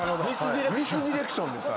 ミスディレクションです。